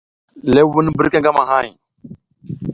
Lewun birke ngamahay.